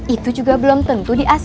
itu juga belum tentu di acc